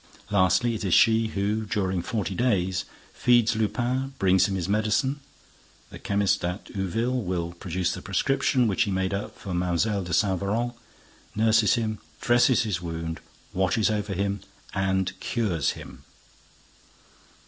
Lastly, it is she who, during forty days, feeds Lupin, brings him his medicine (the chemist at Ouville will produce the prescriptions which he made up for Mlle. de Saint Véran), nurses him, dresses his wound, watches over him and cures him.